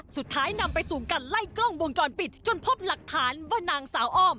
สุดท้ายนำไปสู่การไล่กล้องวงจรปิดจนพบหลักฐานว่านางสาวอ้อม